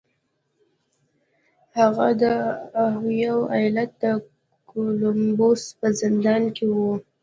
هغه د اوهايو ايالت د کولمبوس په زندان کې و.